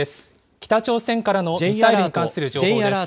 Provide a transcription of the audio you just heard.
北朝鮮からのミサイルに関する情報です。